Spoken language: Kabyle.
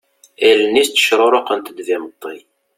Allen-is ttecruruqent-d d imeṭṭi.